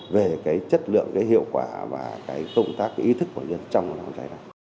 về chất lượng hiệu quả và công tác ý thức của nhân trong phòng cháy